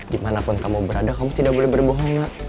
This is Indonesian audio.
dimanapun kamu berada kamu tidak boleh berbohong gak